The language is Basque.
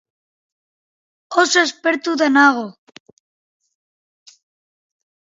Oso aspertuta nago.